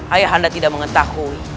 ayahanda tidak mengetahui